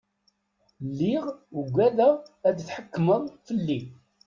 Lliɣ ugadeɣ ad tḥekkmeḍ fell-i!